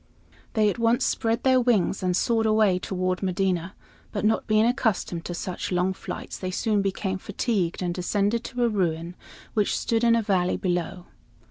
They at once spread their wings and soared away toward Medina, but not being accustomed to such long flights, they soon became fatigued and descended to a ruin which stood in a valley below.